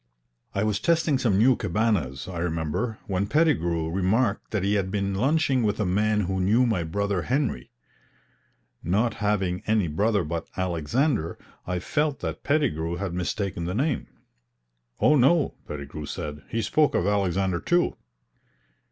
I was testing some new Cabanas, I remember, when Pettigrew remarked that he had been lunching with a man who knew my brother Henry. Not having any brother but Alexander, I felt that Pettigrew had mistaken the name. "Oh, no," Pettigrew said; "he spoke of Alexander too."